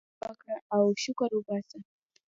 فكر وكره او شكر وباسه!